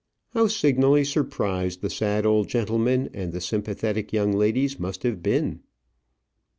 How signally surprised the sad old gentlemen and the sympathetic young ladies must have been!